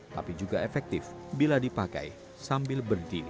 tapi juga efektif bila dipakai sambil berdiri